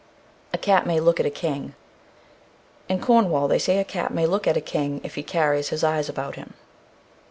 A cat may look at a king. In Cornwall they say a cat may look at a king if he carries his eyes about him.